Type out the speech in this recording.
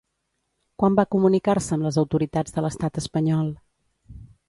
Quan va comunicar-se amb les autoritats de l'estat espanyol?